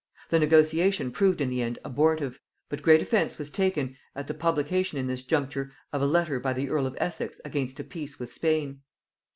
The negotiation proved in the end abortive; but great offence was taken at the publication in this juncture of a letter by the earl of Essex against a peace with Spain.